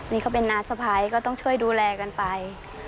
นี่เขาเป็นน้าสะพ้ายก็ต้องช่วยดูแลกันไป